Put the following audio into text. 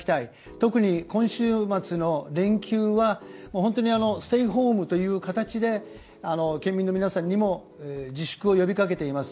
特に今週末の連休は本当にステイホームという形で県民の皆さんにも自粛を呼びかけています。